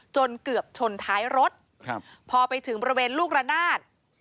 จนเกือบชนท้ายรถพอไปถึงบริเวณลูกระนาด